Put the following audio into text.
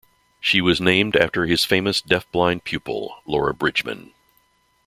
She was named after his famous deaf-blind pupil Laura Bridgman.